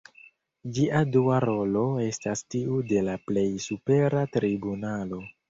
Ĝia dua rolo estas tiu de la plej supera tribunalo.